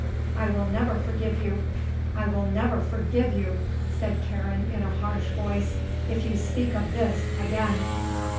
"I will never forgive you, I will never forgive you," said Karen in a harsh voice, "if you speak of this again."